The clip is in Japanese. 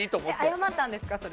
謝ったんですか？